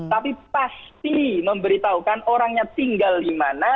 tapi pasti memberitahukan orangnya tinggal di mana